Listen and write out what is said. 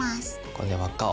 ここで輪っかを。